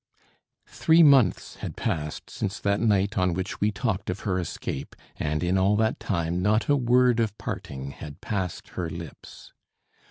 Three months had passed since that night on which we talked of her escape, and in all that time not a word of parting had passed her lips.